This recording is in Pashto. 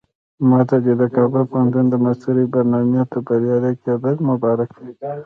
ماته دې د کابل پوهنتون د ماسترۍ برنامې ته بریالي کېدل مبارک وي.